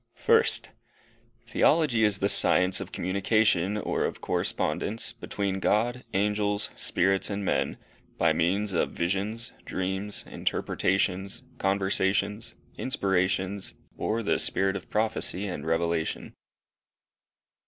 First. THEOLOGY is the science of communication, or of correspondence, between God, angels, spirits, and men, by means of visions, dreams, interpretations, conversations, inspirations, or the spirit of prophecy and revelation.